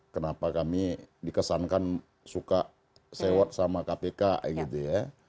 kenapa kami dikesankan suka sewot sama kpk gitu ya